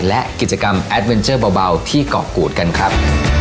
และกิจกรรมแอดเวนเจอร์เบาที่เกาะกูดกันครับ